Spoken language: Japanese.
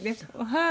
はい。